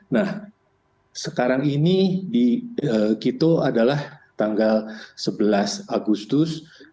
nah sekarang ini kita adalah tanggal sebelas agustus